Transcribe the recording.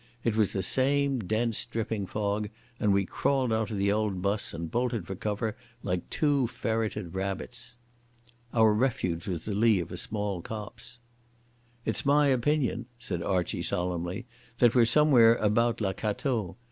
It was the same dense, dripping fog, and we crawled out of the old bus and bolted for cover like two ferreted rabbits. Our refuge was the lee of a small copse. "It's my opinion," said Archie solemnly, "that we're somewhere about La Cateau.